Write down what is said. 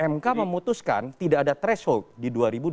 mk memutuskan tidak ada threshold di dua ribu dua puluh